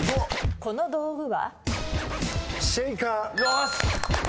この道具は？